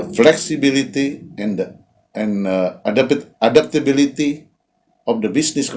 fleksibilitas dan adaptabilitas bisnis